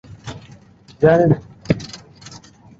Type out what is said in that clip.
তিনি পরবর্তীতে কোলকাতা প্রেসিডেন্সি কলেজের শিক্ষা গ্রহণ করেন।